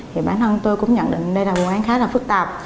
thì bản thân tôi cũng nhận định đây là vụ án khá là phức tạp